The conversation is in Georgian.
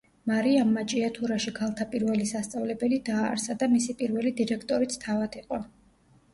მარიამმა ჭიათურაში ქალთა პირველი სასწავლებელი დააარსა და მისი პირველი დირექტორიც თავად იყო.